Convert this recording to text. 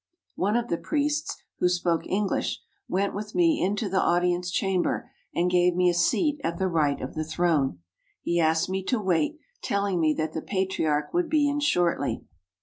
One of the priests, who spoke English, went with me into the audience chamber and gave me a seat at the right of the throne. He asked me to wait, telling me that the Patriarch would be in shortly.